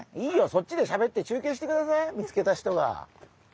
そっちでしゃべって中継してください見つけた人が。